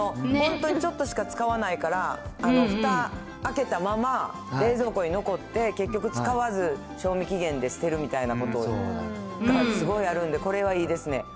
本当にちょっとしか使わないから、ふた開けたまま、冷蔵庫に残って、結局使わず、賞味期限で捨てるみたいなこと、だからすごいあるんで、これはいいですね。